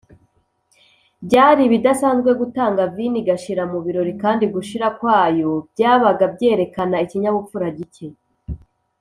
. Byari ibidasanzwe gutanga vino igashira mu birori, kandi gushira kwayo byabaga byerekana ikinyabupfura gike.